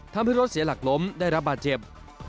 ทำให้รถเสียหลักล้มได้รับบาดเจ็บ